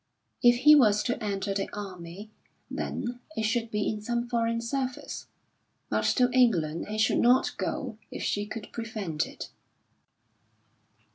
If he was to enter the army, then it should be in some foreign service. But to England he should not go if she could prevent it.